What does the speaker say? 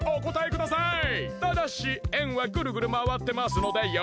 ただしえんはぐるぐるまわってますのでよくみておこたえください！